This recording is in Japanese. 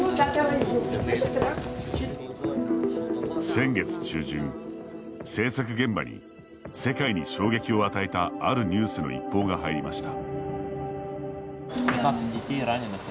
先月中旬制作現場に世界に衝撃を与えたあるニュースの一報が入りました。